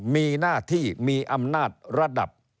มีหน้าที่มีอำนาจระดับ